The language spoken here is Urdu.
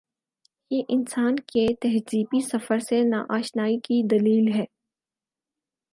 یہ انسان کے تہذیبی سفر سے نا آ شنائی کی دلیل ہے۔